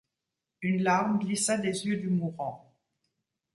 Une larme glissa des yeux du mourant.